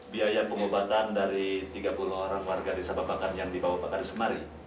biaya pengobatan dari tiga puluh orang warga desa bapakan yang dibawa pak karis kemari